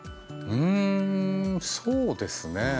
うんそうですね